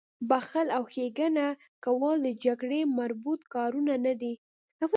بخښل او ښېګڼه کول د جګړې مربوط کارونه نه دي